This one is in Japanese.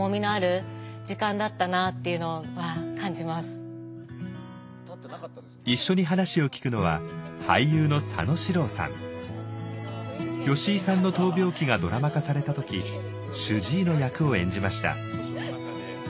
どこかで一緒に話を聞くのは吉井さんの闘病記がドラマ化された時主治医の役を演じました。